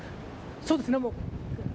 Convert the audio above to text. そうですね。